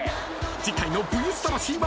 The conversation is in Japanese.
［次回の『ＶＳ魂』は］